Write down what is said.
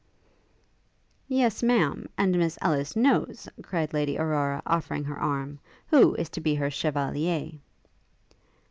'Yes, Ma'am; and Miss Ellis knows,' cried Lady Aurora, offering her arm, 'who is to be her chevalier.'